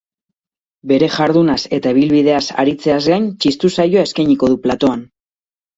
Bere jardunaz eta ibilbideaz aritzeaz gain, txistu saioa eskainiko du platoan.